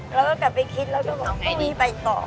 เราก็กลับไปคิดแล้วก็บอกว่าร่วมดูของดุรีไปต่อ